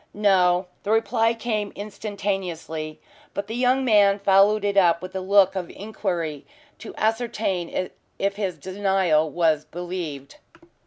"No." The reply came instantaneously, but the young man followed it up with a look of inquiry to ascertain if his denial was believed.